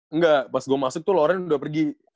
enggak pas gue masuk tuh loren udah pergi